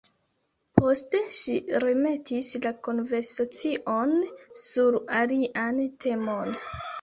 Poste ŝi remetis la konversacion sur alian temon.